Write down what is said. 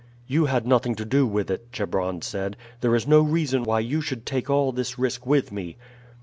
"You had nothing to do with it," Chebron said; "there is no reason why you should take all this risk with me."